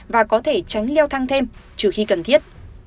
và có thể tránh leo thang thêm trừ khi cần thiết